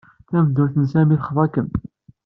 Tameddurt n Sami texḍa-kem.